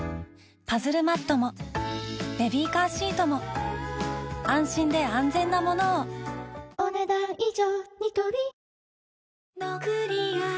パズルマットもベビーカーシートも安心で安全なものをお、ねだん以上。